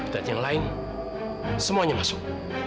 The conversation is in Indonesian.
dan yang lain semuanya masuk